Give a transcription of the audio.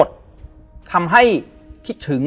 เพื่อที่จะให้แก้วเนี่ยหลอกลวงเค